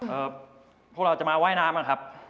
พวกเราจะมาว่ายน้ำนะครับ